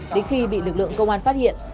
đến khi bị lực lượng công an phát hiện